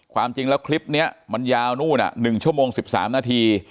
ความจริงแล้วคลิปนี้มันยาวนู่น๑ชั่วโมง๑๓นาที